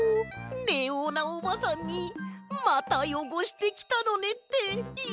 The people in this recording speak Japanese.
レオーナおばさんに「またよごしてきたのね」っていわれちゃうよ。